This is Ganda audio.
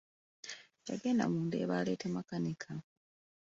Yagenda mu Ndeeba aleete makanika.